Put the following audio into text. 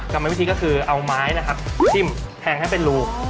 กลมไว้วิธีก็คือเอาไม้จิ้มแห่งให้เป็นรู